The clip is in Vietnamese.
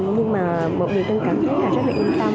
nhưng mà một điều trần cảm thấy là rất là yên tâm